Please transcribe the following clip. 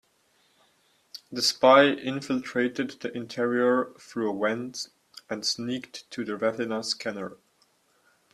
The spy infiltrated the interior through a vent and sneaked to the retina scanner.